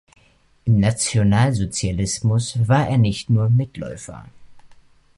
Im Nationalsozialismus war er nicht nur Mitläufer.